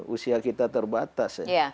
usia kita terbatas